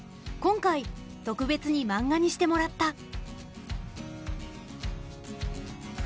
今回特別にマンガにしてもらった。